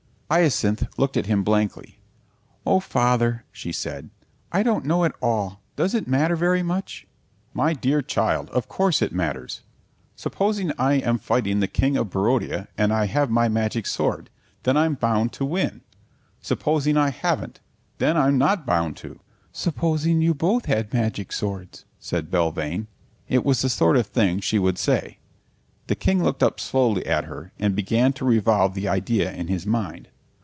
Hyacinth looked at him blankly. "Oh, Father," she said. "I don't know at all. Does it matter very much?" "My dear child, of course it matters. Supposing I am fighting the King of Barodia and I have my magic sword, then I'm bound to win. Supposing I haven't, then I'm not bound to." "Supposing you both had magic swords," said Belvane. It was the sort of thing she would say. The King looked up slowly at her and began to revolve the idea in his mind.